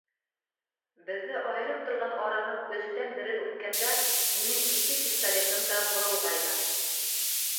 Беҙҙе айырып торған араның өстән берен үткәндә минең ике пистолетым да ҡоролғайны.